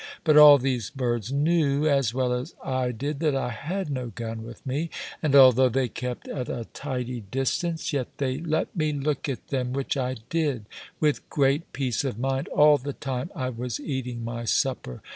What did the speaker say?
But all these birds knew, as well as I did, that I had no gun with me; and although they kept at a tidy distance, yet they let me look at them, which I did with great peace of mind all the time I was eating my supper.